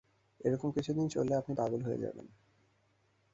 এ-রকম কিছুদিন চললে আপনি পাগল হয়ে যাবেন।